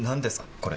これ。